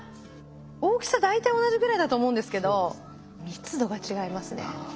大きさ大体同じぐらいだと思うんですけど密度が違いますね。